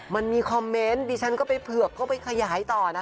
มันมีคอมเมนต์ดิฉันก็ไปเผือกก็ไปขยายต่อนะคะ